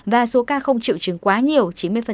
và số ca không triệu chứng quá nhiều chín mươi